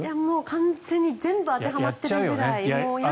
完全に全部当てはまってるくらい。